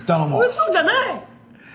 嘘じゃない！